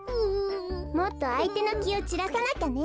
もっとあいてのきをちらさなきゃね。